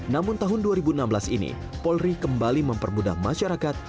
namun tahun dua ribu enam belas ini polri kembali mempermudah masyarakat